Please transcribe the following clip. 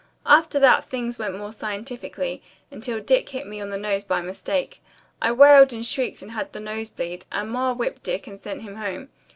After that things went more scientifically, until Dick hit me on the nose by mistake. I wailed and shrieked and had the nose bleed, and Ma whipped Dick and sent him home.